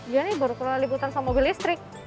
iya nih baru keluar liputan sama mobil listrik